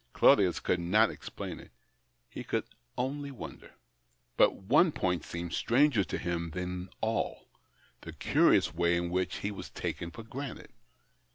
Claudius could not explain it : he could only wonder. But one point seemed stranger to him than all — the curious way in which he was taken for granted.